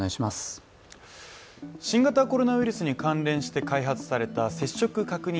新型コロナウイルスに関連して開発された接触確認